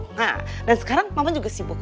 nah dan sekarang mama juga sibuk